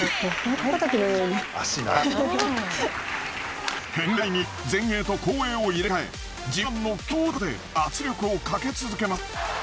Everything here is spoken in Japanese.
変幻自在に前衛と後衛を入れ替え自慢の強打で圧力をかけ続けます。